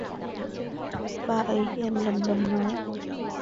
bà ấy liền lẩm bẩm nói